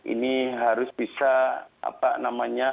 ini harus bisa